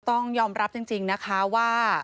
ต้องยอมรับจริงนะคะว่า